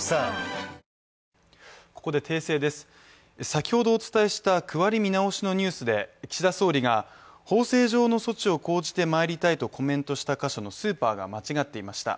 先ほどお伝えした区割り見直しのニュースで岸田総理が、法制上の措置を講じてまいりたいとコメントした箇所のスーパーが間違っていました。